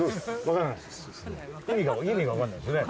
意味が分からないですよね。